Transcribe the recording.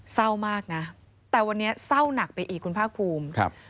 เศร้ามากนะแต่วันนี้เศร้าหนักไปอีกคุณภาคภูมิครับ